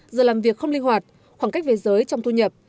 giờ làm việc không linh hoạt khoảng cách về giới trong thu nhập